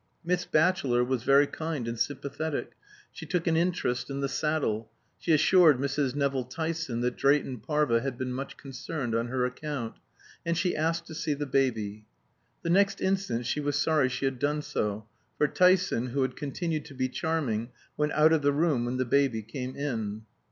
Miss Batchelor was very kind and sympathetic; she took an interest in the saddle; she assured Mrs. Nevill Tyson that Drayton Parva had been much concerned on her account; and she asked to see the baby. The next instant she was sorry she had done so, for Tyson, who had continued to be charming, went out of the room when the baby came in.